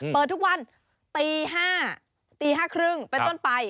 เปิดทุกวันตี๕ตี๕๓๐เป็นต้นไป